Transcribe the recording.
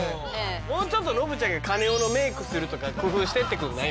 もうちょっとノブちゃんがカネオのメイクするとか工夫してってくんない？